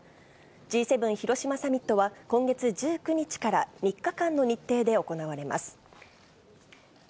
Ｇ７広島サミットは、今月１９日から３日間の日程で行われます。